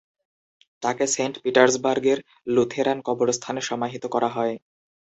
তাকে সেন্ট পিটার্সবার্গের লুথেরান কবরস্থানে সমাহিত করা হয়।